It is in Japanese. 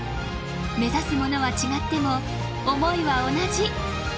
目指すものは違っても思いは同じ。